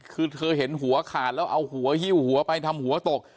คือเธอเห็นหัวขาดแล้วเอาหัวหิ้วหัวไปทำหัวตก